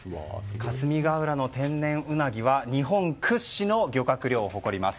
霞ヶ浦の天然ウナギは日本屈指の漁獲量を誇ります。